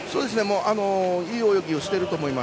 いい泳ぎをしていると思います。